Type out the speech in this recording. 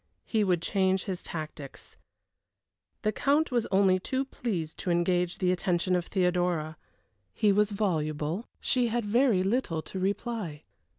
He would change his tactics. The Count was only too pleased to engage the attention of Theodora. He was voluble; she had very little to reply.